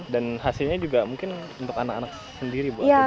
dan hasilnya juga mungkin untuk anak anak sendiri buat bagaimana dijual